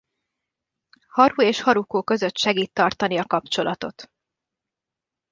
Haru és Haruko között segít tartani a kapcsolatot.